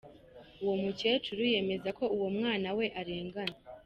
Uwo mukecuru yemeza ko uwo mwana we arengana.